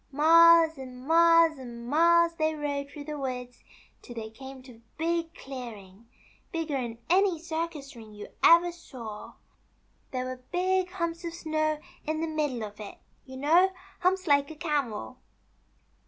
" Miles and miles and miles they rode through the woods till they came to a big clearing, bigger'n any circus ring you ever saw. There were big humps of snow in the middle of it — you know, humps like a camel."